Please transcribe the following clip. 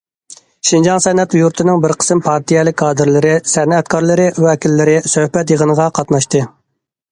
شىنجاڭ سەنئەت يۇرتىنىڭ بىر قىسىم پارتىيەلىك كادىرلىرى، سەنئەتكارلار ۋەكىللىرى سۆھبەت يىغىنىغا قاتناشتى.